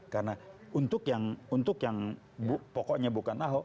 karena untuk yang pokoknya bukanlah